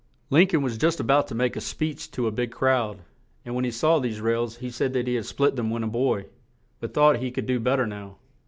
Lin coln was just a bout to make a speech to a big crowd; and when he saw these rails he said that he had split them when a boy, but thought he could do bet ter now.